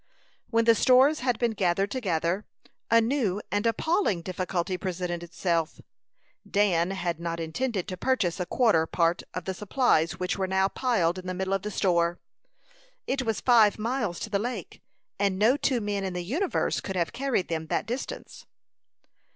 When the stores had been gathered together, a new and appalling difficulty presented itself. Dan had not intended to purchase a quarter part of the supplies which were now piled in the middle of the store. It was five miles to the lake, and no two men in the universe could have carried them that distance.